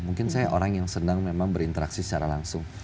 mungkin saya orang yang sedang memang berinteraksi secara langsung